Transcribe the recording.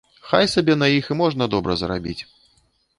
Хай сабе на іх і можна добра зарабіць.